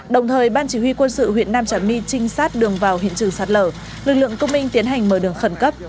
đồng thời ban chỉ huy quân sự huyện nam trà my trinh sát đường vào hiện trường sạt lở lực lượng công minh tiến hành mở đường khẩn cấp